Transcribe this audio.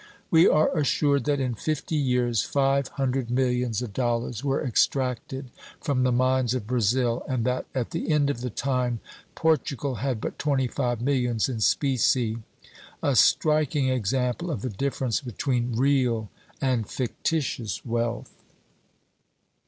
We are assured that in fifty years, five hundred millions of dollars were extracted from "the mines of Brazil, and that at the end of the time Portugal had but twenty five millions in specie," a striking example of the difference between real and fictitious wealth.